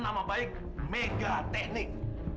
nama baik mega teknik